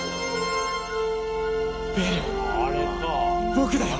僕だよ」